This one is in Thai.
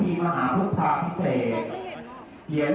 เกียร์เลือกเหมือนแล้วก็ชั้นเองชั้นไม่เห็นเดี๋ยวขวัญสองนะ